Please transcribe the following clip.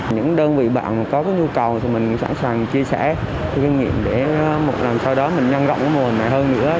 những đơn vị bạn có cái nhu cầu thì mình sẵn sàng chia sẻ cái kinh nghiệm để một lần sau đó mình nhanh gọn cái mùa này hơn nữa